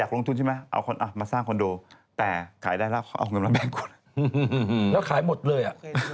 แล้วขายหมดเลย